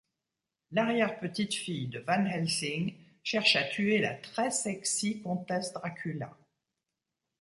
L'arrière-petite-fille de Van Helsing cherche à tuer la très sexy comtesse Dracula.